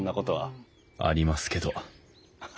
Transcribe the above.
ありますけどハハ